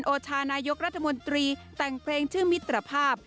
โอชานายกรัฐมนตรีแต่งเพลงชื่อมิตรภาพ